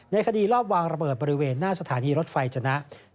คดีรอบวางระเบิดบริเวณหน้าสถานีรถไฟจนะ